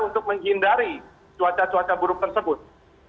untuk menghindari cuaca cuaca buruk tersebut